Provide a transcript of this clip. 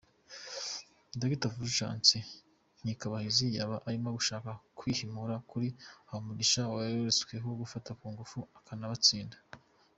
Dr Fulgence Nkikabahizi yaba arimo gushaka kwihimura kuri Habumugisha wageretsweho gufata ku ngfu akabatsinda?.